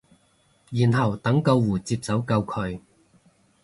然後等救護接手救佢